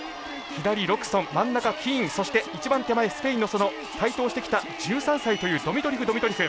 左ロクソン真ん中キーンそして一番手前スペインの台頭してきた１３歳というドミトリフドミトリフ。